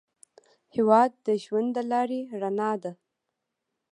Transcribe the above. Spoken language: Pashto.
هېواد د ژوند د لارې رڼا ده.